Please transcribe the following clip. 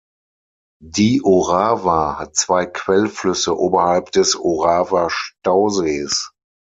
Die Orava hat zwei Quellflüsse oberhalb des Orava-Stausees.